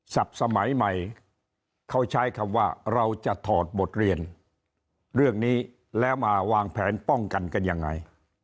สมัยใหม่เขาใช้คำว่าเราจะถอดบทเรียนเรื่องนี้แล้วมาวางแผนป้องกันกันยังไง